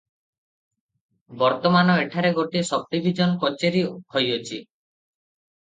ବର୍ତ୍ତମାନ ଏଠାରେ ଗୋଟିଏ ସବ୍ଡ଼ିବିଜନ କଚେରୀ ହୋଇଅଛି ।